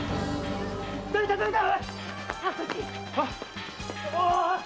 どいたどいた！